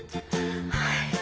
はい。